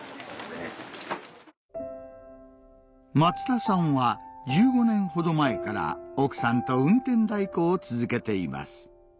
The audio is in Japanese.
松田さんは１５年ほど前から奥さんと運転代行を続けています